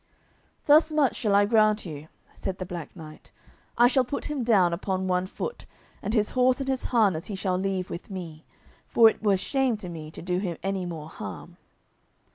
"Thus much shall I grant you," said the Black Knight: "I shall put him down upon one foot, and his horse and his harness he shall leave with me, for it were shame to me to do him any more harm."